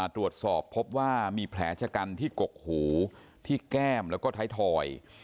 ตรวจสอบพบว่ามีแผลชะกันที่กกหูที่แก้มแล้วก็ท้ายถอย